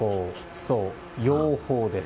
そう、養蜂です。